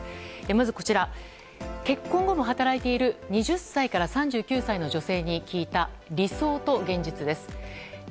まず、結婚後も働いているという２０歳から３９歳までの女性に聞いた理想と現実です。